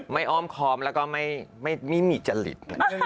ไม่อ้อมคอมและก็ไม่มีจริต